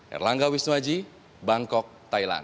erlangga wisnuaji bangkok thailand